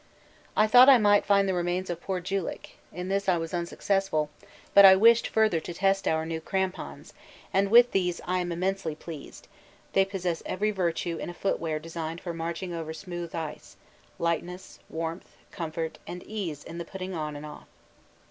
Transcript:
I thought I might find the remains of poor Julick in this I was unsuccessful; but I wished further to test our new crampons, and with these I am immensely pleased they possess every virtue in a footwear designed for marching over smooth ice lightness, warmth, comfort, and ease in the putting on and off.